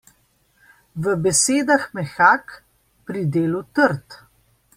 V besedah mehak, pri delu trd.